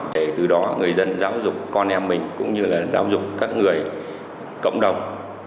để từ đó người dân giáo dục con em mình cũng như là giáo dục các người cộng đồng